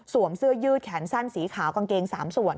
เสื้อยืดแขนสั้นสีขาวกางเกง๓ส่วน